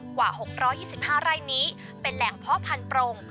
กว่า๖๒๕ไร่นี้เป็นแหล่งเพาะพันธรง